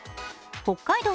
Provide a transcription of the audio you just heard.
北海道